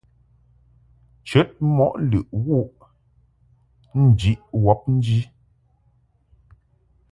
Nchəd mɔʼ lɨʼ wuʼ njiʼ wɔbnji.